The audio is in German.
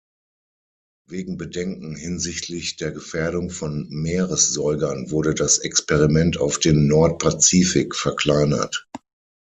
Wegen Bedenken hinsichtlich der Gefährdung von Meeressäugern wurde das Experiment auf den Nord-Pazifik verkleinert.